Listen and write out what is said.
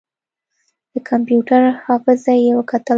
د کمپيوټر حافظه يې وکتله.